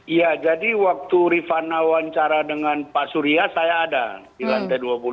iya jadi waktu rifana wawancara dengan pak surya saya ada di lantai dua puluh